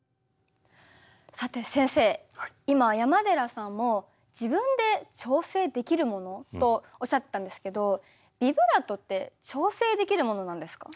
さて先生今山寺さんも自分で調整できるもの？とおっしゃってたんですけどビブラートって調整できるものなんですか？